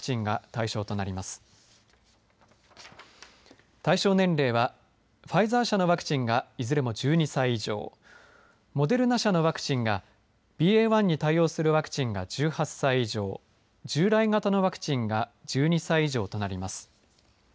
対象年齢はファイザー社のワクチンがいずれも１２歳以上モデルナ社のワクチンがＢＡ．１に対応するワクチンが１８歳以上従来型のワクチンが１２歳以上となります。